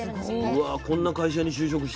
うわこんな会社に就職したい。